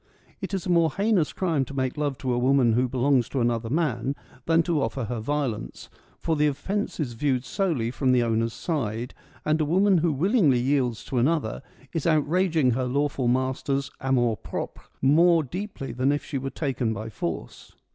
It is a more heinous crime to make love to a woman who belongs to another man than to offer her violence ; for the offence is viewed solely from the owner's side, and a woman who willingly yields to another is out raging her lawful master's amour propre more deeply than if she were taken by force.